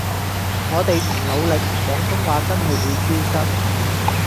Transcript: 我地唔努力廣東話真係會消失